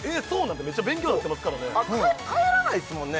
めっちゃ勉強になってますからね帰らないですもんね？